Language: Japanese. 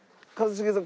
一茂さん